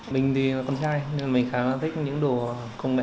mình thì là con trai nên mình khá là thích những đồ công mẹ